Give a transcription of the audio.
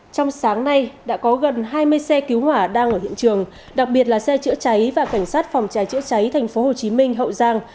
trong sáng nay đã có gần hai mươi xe cứu hỏa đang ở hiện trường đặc biệt là xe chữa cháy và cảnh sát phòng cháy chữa cháy tp hcm hậu giang